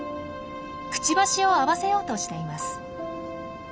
くちばしを合わせようとしています。